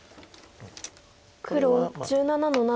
黒１７の七。